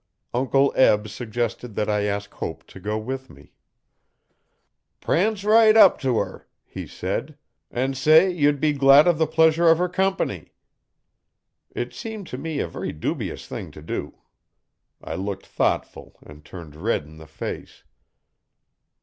Uncle Be suggested that I ask Hope to go with me. 'Prance right up to her,' he said, 'an' say you'd be glad of the pleasure of her company. It seemed to me a very dubious thing to do. I looked thoughtful and turned red in the face.